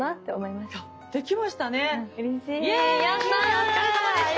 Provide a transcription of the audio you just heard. お疲れさまでした。